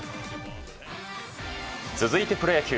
続いてプロ野球。